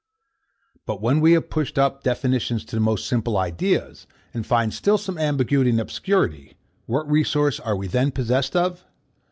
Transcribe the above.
But when we have pushed up definitions to the most simple ideas, and find still some ambiguity and obscurity; what resource are we then possessed of?